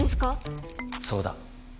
そうだ。